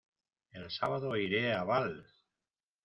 ¡El sábado iré a Valls!